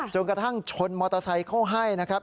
จนกระทั่งชนมอเตอร์ไซค์เข้าให้นะครับ